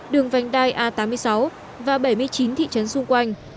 đường vành đai a tám mươi sáu và bảy mươi chín thị trấn xung quanh